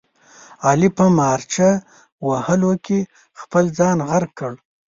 علي په مارچه وهلو کې خپل ځان غرق کړ.